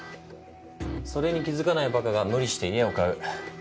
それに気付かないばかが無理して家を買う。